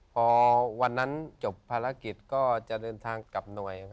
พอวันนั้นจบภารกิจก็จะเดินทางกลับหน่วย